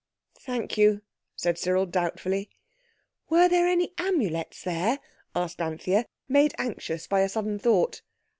"Thank you," said Cyril doubtfully. "Were there any Amulets there?" asked Anthea, made anxious by a sudden thought.